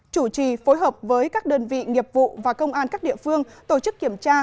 chủ trì phối hợp với các đơn vị nghiệp vụ và công an các địa phương tổ chức kiểm tra